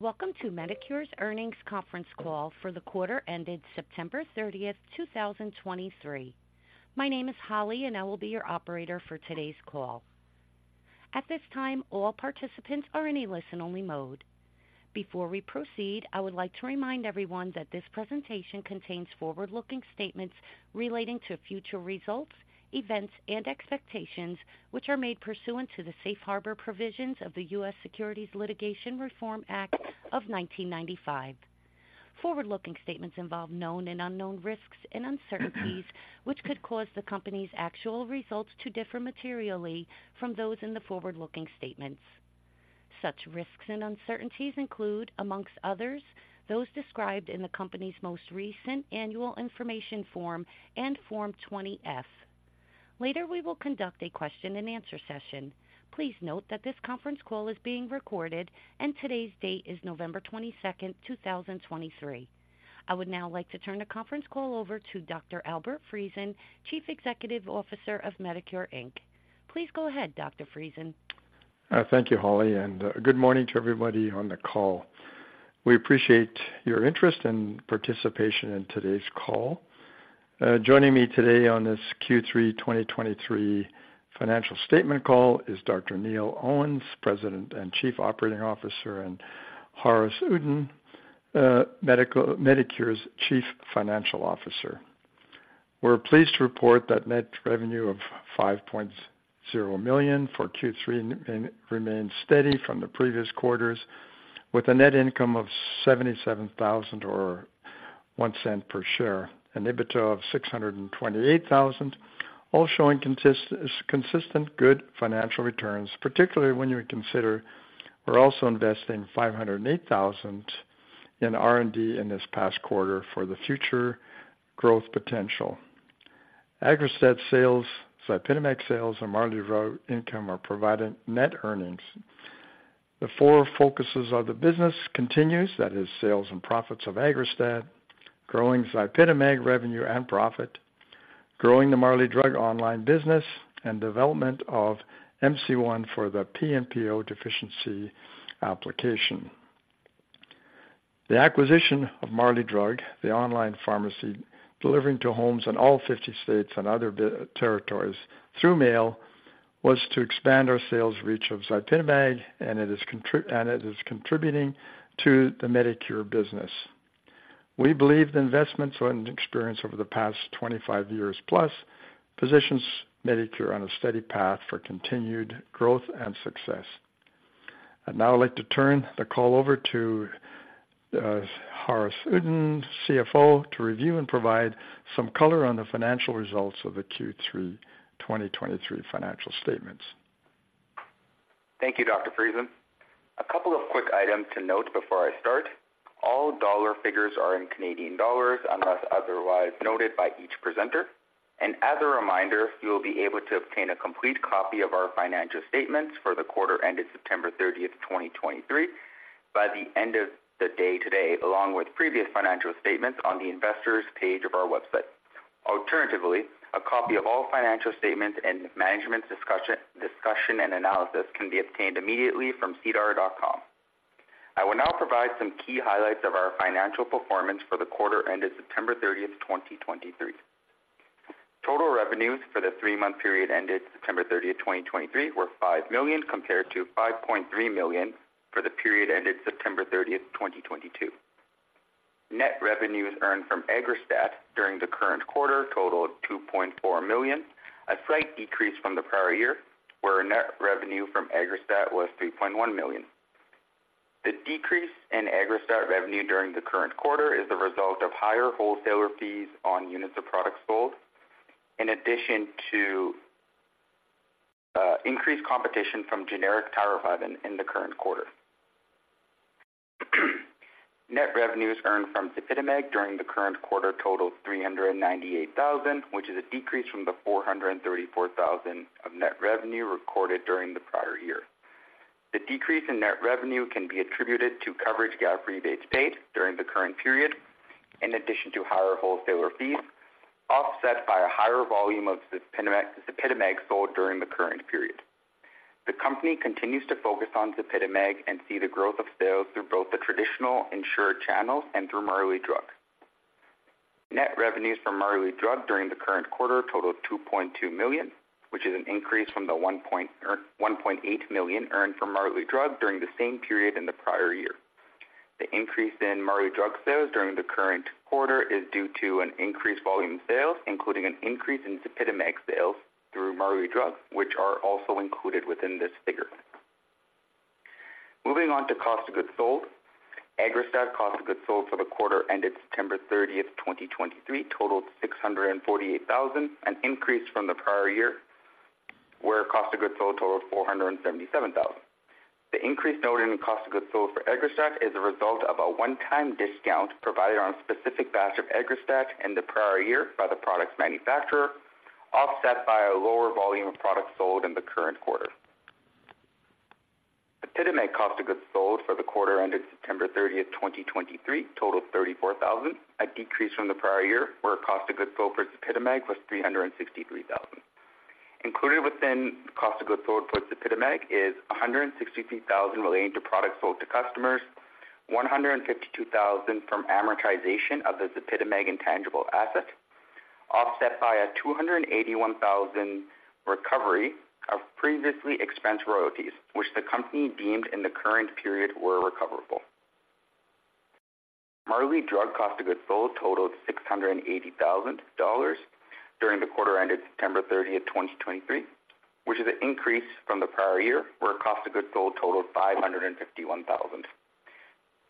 Welcome to Medicure's earnings conference call for the quarter ended September 30, 2023. My name is Holly, and I will be your operator for today's call. At this time, all participants are in a listen-only mode. Before we proceed, I would like to remind everyone that this presentation contains forward-looking statements relating to future results, events, and expectations, which are made pursuant to the Safe Harbor Provisions of the U.S. Securities Litigation Reform Act of 1995. Forward-looking statements involve known and unknown risks and uncertainties, which could cause the company's actual results to differ materially from those in the forward-looking statements. Such risks and uncertainties include, among others, those described in the company's most recent Annual Information Form and Form 20-F. Later, we will conduct a question-and-answer session. Please note that this conference call is being recorded and today's date is November 22, 2023. I would now like to turn the conference call over to Dr. Albert Friesen, Chief Executive Officer of Medicure Inc. Please go ahead, Dr. Friesen. Thank you, Holly, and good morning to everybody on the call. We appreciate your interest and participation in today's call. Joining me today on this Q3 2023 financial statement call is Dr. Neil Owens, President and Chief Operating Officer, and Haaris Uddin, Medicure's Chief Financial Officer. We're pleased to report that net revenue of 5.0 million for Q3 remains steady from the previous quarters, with a net income of 77,000 or 0.01 per share and EBITDA of 628,000, all showing consistent good financial returns, particularly when you consider we're also investing 508,000 in R&D in this past quarter for the future growth potential. AGGRASTAT sales, ZYPITAMAG sales, and Marley Drug income are providing net earnings. The four focuses of the business continues, that is, sales and profits of AGGRASTAT, growing ZYPITAMAG revenue and profit, growing the Marley Drug online business, and development of MC-1 for the PNPO deficiency application. The acquisition of Marley Drug, the online pharmacy, delivering to homes in all 50 states and other territories through mail, was to expand our sales reach of ZYPITAMAG, and it is contributing to the Medicure business. We believe the investments and experience over the past 25 years plus positions Medicure on a steady path for continued growth and success. I'd now like to turn the call over to Haaris Uddin, CFO, to review and provide some color on the financial results of the Q3 2023 financial statements. Thank you, Dr. Friesen. A couple of quick items to note before I start. All dollar figures are in Canadian dollars, unless otherwise noted by each presenter. As a reminder, you will be able to obtain a complete copy of our financial statements for the quarter ended September 30, 2023, by the end of the day today, along with previous financial statements on the Investors page of our website. Alternatively, a copy of all financial statements and Management's Discussion and Analysis can be obtained immediately from SEDAR.com. I will now provide some key highlights of our financial performance for the quarter ended September 30, 2023. Total revenues for the three-month period ended September 30, 2023, were 5 million, compared to 5.3 million for the period ended September 30, 2022. Net revenues earned from AGGRASTAT during the current quarter totaled 2.4 million, a slight decrease from the prior year, where our net revenue from AGGRASTAT was 3.1 million. The decrease in AGGRASTAT revenue during the current quarter is the result of higher wholesaler fees on units of products sold, in addition to increased competition from generic tirofiban in the current quarter. Net revenues earned from ZYPITAMAG during the current quarter totaled 398 thousand, which is a decrease from the 434 thousand of net revenue recorded during the prior year. The decrease in net revenue can be attributed to coverage gap rebates paid during the current period, in addition to higher wholesaler fees, offset by a higher volume of ZYPITAMAG sold during the current period. The company continues to focus on ZYPITAMAG and see the growth of sales through both the traditional insured channels and through Marley Drug. Net revenues from Marley Drug during the current quarter totaled 2.2 million, which is an increase from the 1.8 million earned from Marley Drug during the same period in the prior year. The increase in Marley Drug sales during the current quarter is due to an increased volume of sales, including an increase in ZYPITAMAG sales through Marley Drug, which are also included within this figure. Moving on to cost of goods sold. AGGRASTAT cost of goods sold for the quarter ended September 30, 2023, totaled 648 thousand, an increase from the prior year, where cost of goods sold totaled 477 thousand. The increase noted in cost of goods sold for AGGRASTAT is a result of a one-time discount provided on a specific batch of AGGRASTAT in the prior year by the product's manufacturer, offset by a lower volume of products sold in the current quarter. ZYPITAMAG cost of goods sold for the quarter ended September 30, 2023, totaled 34,000, a decrease from the prior year, where cost of goods sold for ZYPITAMAG was 363,000.... Included within cost of goods sold for ZYPITAMAG is 163,000 relating to products sold to customers, 152,000 from amortization of the ZYPITAMAG intangible asset, offset by a 281,000 recovery of previously expensed royalties, which the company deemed in the current period were recoverable. Marley Drug cost of goods sold totaled $680,000 during the quarter ended September 30, 2023, which is an increase from the prior year, where cost of goods sold totaled $551,000.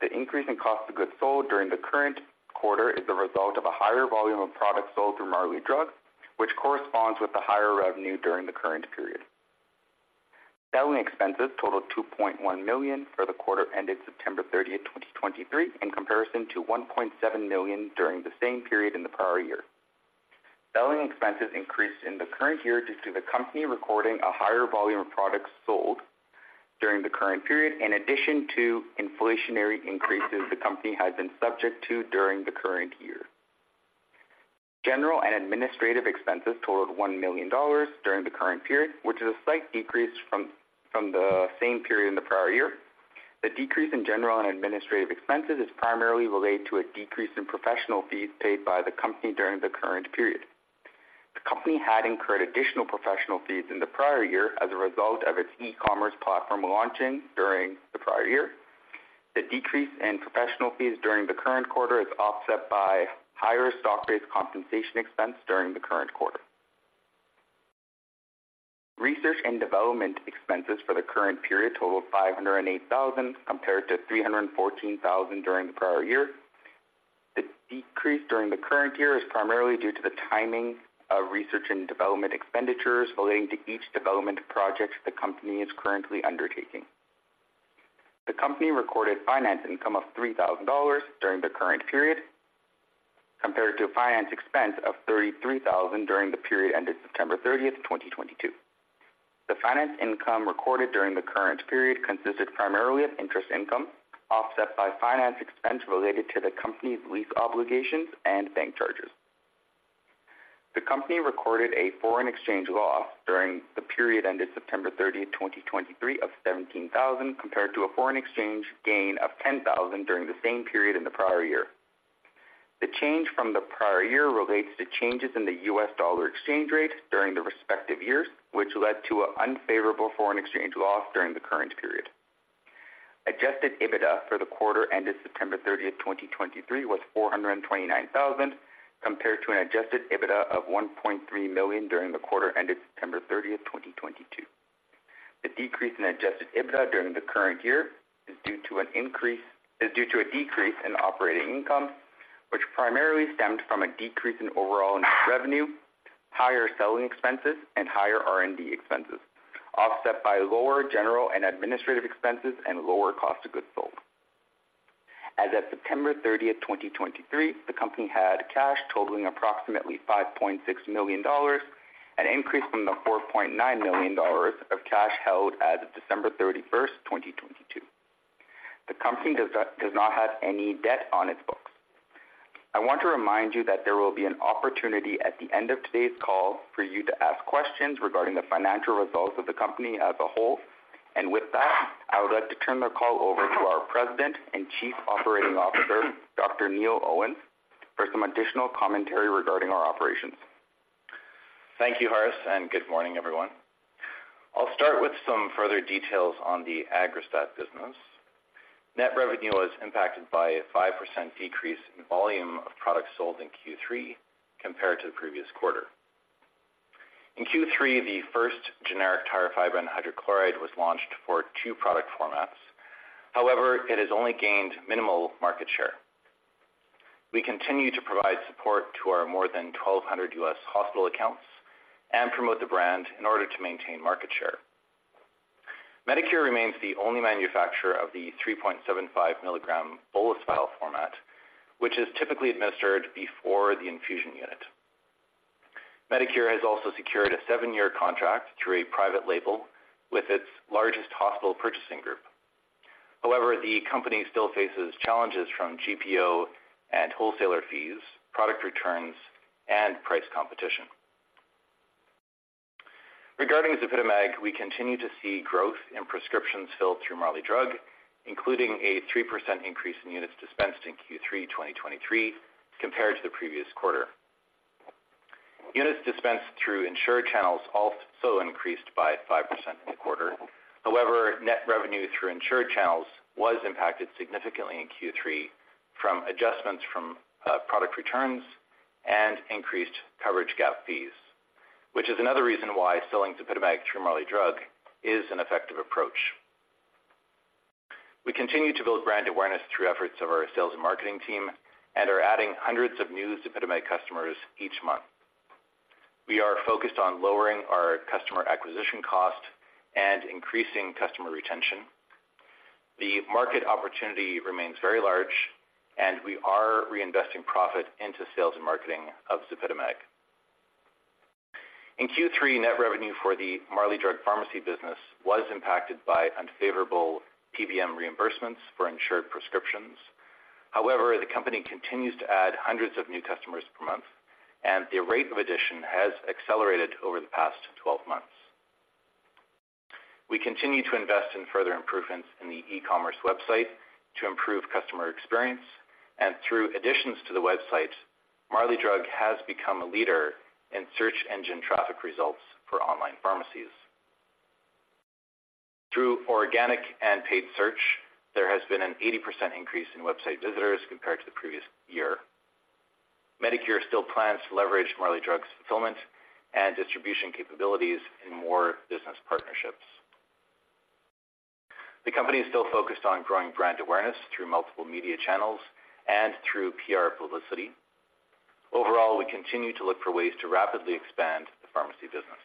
The increase in cost of goods sold during the current quarter is a result of a higher volume of products sold through Marley Drug, which corresponds with the higher revenue during the current period. Selling expenses totaled $2.1 million for the quarter ended September 30, 2023, in comparison to $1.7 million during the same period in the prior year. Selling expenses increased in the current year due to the company recording a higher volume of products sold during the current period, in addition to inflationary increases the company has been subject to during the current year. General and administrative expenses totaled 1 million dollars during the current period, which is a slight decrease from the same period in the prior year. The decrease in general and administrative expenses is primarily related to a decrease in professional fees paid by the company during the current period. The company had incurred additional professional fees in the prior year as a result of its e-commerce platform launching during the prior year. The decrease in professional fees during the current quarter is offset by higher stock-based compensation expense during the current quarter. Research and development expenses for the current period totaled 508,000, compared to 314,000 during the prior year. The decrease during the current year is primarily due to the timing of research and development expenditures relating to each development project the company is currently undertaking. The company recorded finance income of 3 thousand dollars during the current period, compared to a finance expense of 33 thousand during the period ended September 30, 2022. The finance income recorded during the current period consisted primarily of interest income, offset by finance expense related to the company's lease obligations and bank charges. The company recorded a foreign exchange loss during the period ended September 30, 2023, of 17 thousand, compared to a foreign exchange gain of 10 thousand during the same period in the prior year. The change from the prior year relates to changes in the U.S. dollar exchange rate during the respective years, which led to an unfavorable foreign exchange loss during the current period. Adjusted EBITDA for the quarter ended September 30, 2023, was $429 thousand, compared to an adjusted EBITDA of $1.3 million during the quarter ended September 30, 2022. The decrease in adjusted EBITDA during the current year is due to a decrease in operating income, which primarily stemmed from a decrease in overall revenue, higher selling expenses and higher R&D expenses, offset by lower general and administrative expenses and lower cost of goods sold. As of September 30, 2023, the company had cash totaling approximately $5.6 million, an increase from the $4.9 million of cash held as of December 31, 2022. The company does not have any debt on its books. I want to remind you that there will be an opportunity at the end of today's call for you to ask questions regarding the financial results of the company as a whole. With that, I would like to turn the call over to our President and Chief Operating Officer, Dr. Neil Owens, for some additional commentary regarding our operations. Thank you, Haaris, and good morning, everyone. I'll start with some further details on the AGGRASTAT business. Net revenue was impacted by a 5% decrease in volume of products sold in Q3 compared to the previous quarter. In Q3, the first generic tirofiban hydrochloride was launched for 2 product formats. However, it has only gained minimal market share. We continue to provide support to our more than 1,200 U.S. hospital accounts and promote the brand in order to maintain market share. Medicure remains the only manufacturer of the 3.75 mg bolus vial format, which is typically administered before the infusion unit. Medicure has also secured a 7-year contract through a private label with its largest hospital purchasing group. However, the company still faces challenges from GPO and wholesaler fees, product returns, and price competition. Regarding ZYPITAMAG, we continue to see growth in prescriptions filled through Marley Drug, including a 3% increase in units dispensed in Q3 2023, compared to the previous quarter. Units dispensed through insured channels also increased by 5% in the quarter. However, net revenue through insured channels was impacted significantly in Q3 from adjustments from product returns and increased coverage gap fees, which is another reason why selling ZYPITAMAG through Marley Drug is an effective approach. We continue to build brand awareness through efforts of our sales and marketing team and are adding hundreds of new ZYPITAMAG customers each month. We are focused on lowering our customer acquisition cost and increasing customer retention. The market opportunity remains very large, and we are reinvesting profit into sales and marketing of ZYPITAMAG. In Q3, net revenue for the Marley Drug Pharmacy business was impacted by unfavorable PBM reimbursements for insured prescriptions... However, the company continues to add hundreds of new customers per month, and the rate of addition has accelerated over the past 12 months. We continue to invest in further improvements in the e-commerce website to improve customer experience, and through additions to the website, Marley Drug has become a leader in search engine traffic results for online pharmacies. Through organic and paid search, there has been an 80% increase in website visitors compared to the previous year. Medicure still plans to leverage Marley Drug's fulfillment and distribution capabilities in more business partnerships. The company is still focused on growing brand awareness through multiple media channels and through PR publicity. Overall, we continue to look for ways to rapidly expand the pharmacy business.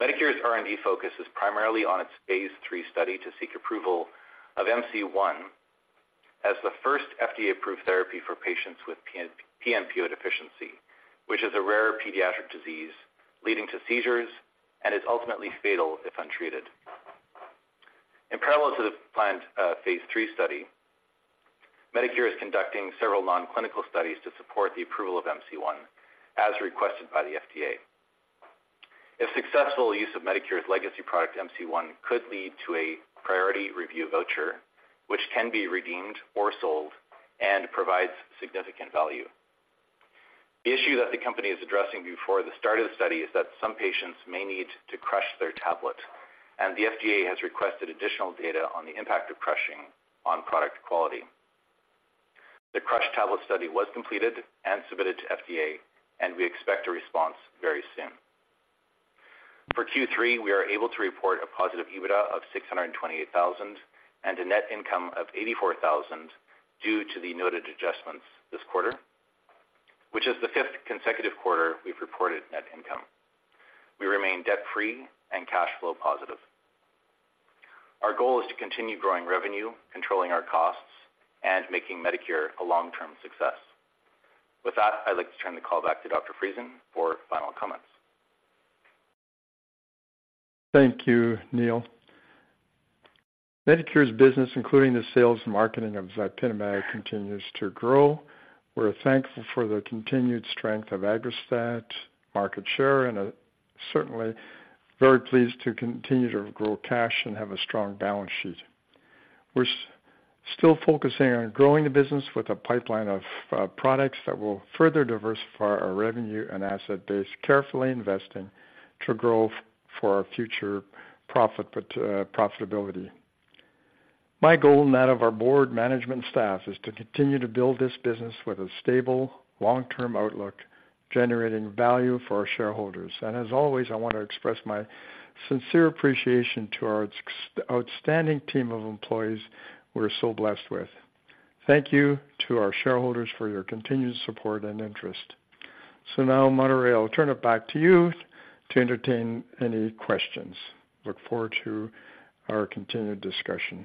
Medicure's R&D focus is primarily on its Phase 3 study to seek approval of MC-1 as the first FDA-approved therapy for patients with PNPO deficiency, which is a rare pediatric disease leading to seizures and is ultimately fatal, if untreated. In parallel to the planned Phase 3 study, Medicure is conducting several non-clinical studies to support the approval of MC-1, as requested by the FDA. If successful, use of Medicure's legacy product, MC-1, could lead to a priority review voucher, which can be redeemed or sold and provides significant value. The issue that the company is addressing before the start of the study is that some patients may need to crush their tablet, and the FDA has requested additional data on the impact of crushing on product quality. The crushed tablet study was completed and submitted to FDA, and we expect a response very soon. For Q3, we are able to report a positive EBITDA of 628 thousand and a net income of 84 thousand due to the noted adjustments this quarter, which is the fifth consecutive quarter we've reported net income. We remain debt-free and cash flow positive. Our goal is to continue growing revenue, controlling our costs, and making Medicure a long-term success. With that, I'd like to turn the call back to Dr. Friesen for final comments. Thank you, Neil. Medicure's business, including the sales and marketing of ZYPITAMAG, continues to grow. We're thankful for the continued strength of AGGRASTAT market share, and are certainly very pleased to continue to grow cash and have a strong balance sheet. We're still focusing on growing the business with a pipeline of products that will further diversify our revenue and asset base, carefully investing to grow for our future profitability. My goal, and that of our board management staff, is to continue to build this business with a stable, long-term outlook, generating value for our shareholders. And as always, I want to express my sincere appreciation to our outstanding team of employees we're so blessed with. Thank you to our shareholders for your continued support and interest. So now, Operator, I'll turn it back to you to entertain any questions. Look forward to our continued discussion.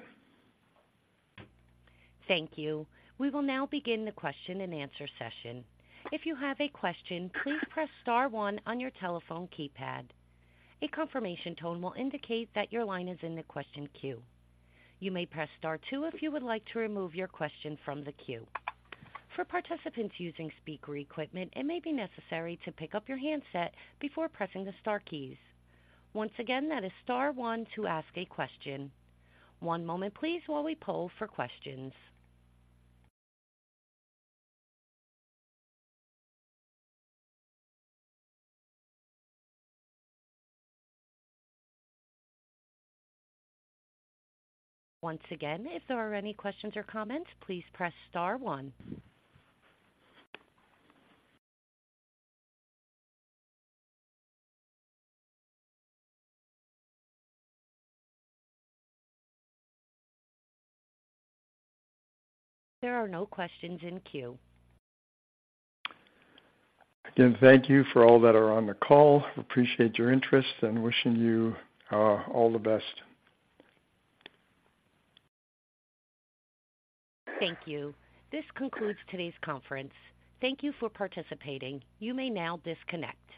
Thank you. We will now begin the question-and-answer session. If you have a question, please press star one on your telephone keypad. A confirmation tone will indicate that your line is in the question queue. You may press star two if you would like to remove your question from the queue. For participants using speaker equipment, it may be necessary to pick up your handset before pressing the star keys. Once again, that is star one to ask a question. One moment please, while we poll for questions. Once again, if there are any questions or comments, please press star one. There are no questions in queue. Again, thank you for all that are on the call. Appreciate your interest and wishing you all the best. Thank you. This concludes today's conference. Thank you for participating. You may now disconnect.